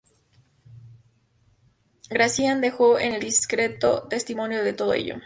Gracián dejó en "El Discreto" testimonio de todo ello.